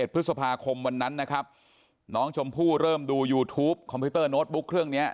พฤษภาคมวันนั้นนะครับน้องชมพู่เริ่มดูยูทูปคอมพิวเตอร์โน้ตบุ๊กเครื่องนี้